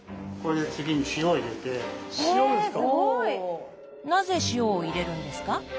なぜ塩を入れるんですか？